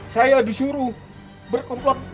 saya disuruh berkomplot